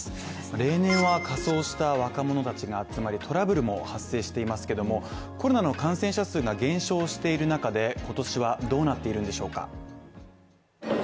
例年は仮装した若者たちが集まりトラブルも発生していますけども、コロナの感染者数が減少している中で、今年はどうなっているんでしょうか？